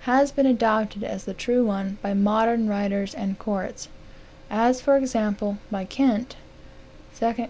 has been adopted. as the true one by modern writers and courts; as, for example, by Kent, (2 Comm.